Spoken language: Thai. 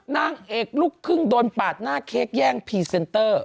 นางเอกลูกครึ่งโดนปาดหน้าเค้กแย่งพรีเซนเตอร์